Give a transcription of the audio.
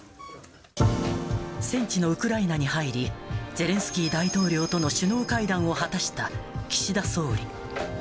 戦地のウクライナに入り、ゼレンスキー大統領との首脳会談を果たした岸田総理。